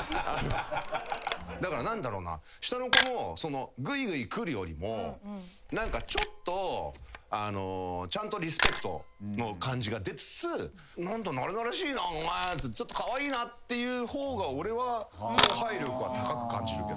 だから何だろう下の子もぐいぐい来るよりもちょっとちゃんとリスペクトの感じが出つつなれなれしいなお前カワイイなっていう方が俺は後輩力は高く感じるけどね。